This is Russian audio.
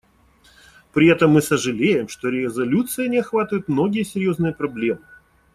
При этом мы сожалеем, что резолюция не охватывает многие серьезные проблемы.